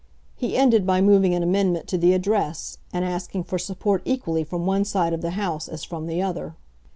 He ended by moving an amendment to the Address, and asking for support equally from one side of the House as from the other.